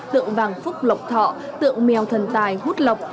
tượng vàng phúc lộc thọ tượng mèo thần tài hút lộc